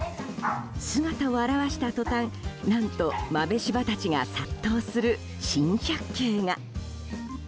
姿を現したとたん何と豆柴たちが殺到する珍百景が。